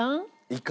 いか。